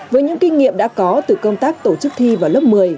với những kinh nghiệm đã có từ công tác tổ chức thi vào lớp một mươi